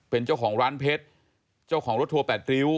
เป็นเจ้าของร้านเพชรเจ้าของรถทัวร์แปดริ้ว